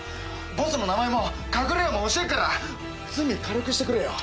ボスの名前も隠れ家も教えるから罪軽くしてくれよ。